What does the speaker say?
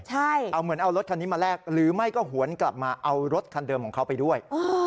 เอาเหมือนเอารถคันนี้มาแลกหรือไม่ก็หวนกลับมาเอารถคันเดิมของเขาไปด้วย